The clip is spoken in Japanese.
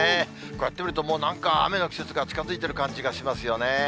こうやって見ると、なんか雨の季節が近づいてる感じがしますよね。